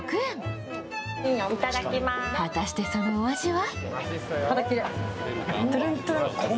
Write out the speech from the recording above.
果たして、そのお味は？